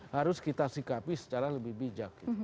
harus kita sikapi secara lebih bijak